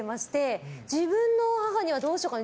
自分の母にはどうしようかな。